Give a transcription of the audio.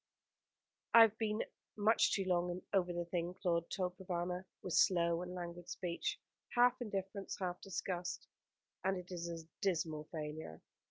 "I have been much too long over the thing," Claude told Provana, with slow and languid speech, half indifference, half disgust; "and it is a dismal failure.